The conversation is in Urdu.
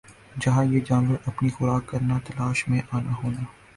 جَہاں یِہ جانور اپنی خوراک کرنا تلاش میں آنا ہونا